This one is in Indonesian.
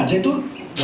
eropa itu kecil